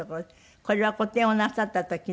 これは個展をなさった時の。